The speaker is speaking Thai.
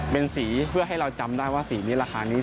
เป็นสีเพื่อให้เราจำได้ว่าสีนี้ราคานี้